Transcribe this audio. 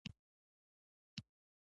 په کندهار کې نورې ډیرې سندرې ویل شوي.